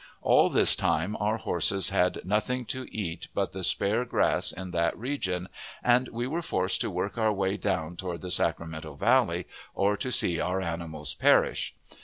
All this time our horses had nothing to eat but the sparse grass in that region, and we were forced to work our way down toward the Sacramento Valley, or to see our animals perish.